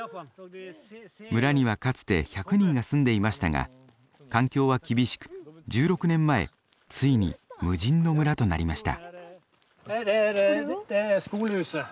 村にはかつて１００人が住んでいましたが環境は厳しく１６年前ついに無人の村となりました。